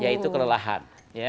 ya itu kelelahan ya